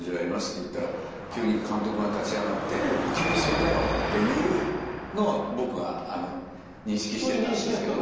言ったら急に監督が立ち上がって「君！それだよ！」っていうのは僕は認識してたんですけども。